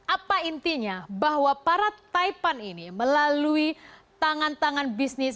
apa intinya bahwa para taipan ini melalui tangan tangan bisnis